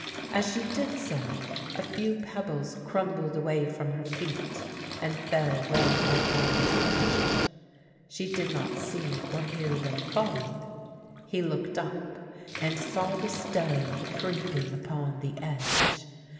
As she did so a few pebbles crumbled away from her feet and fell where Parpon perched. She did not see or hear them fall. He looked up, and saw the stone creeping upon the edge.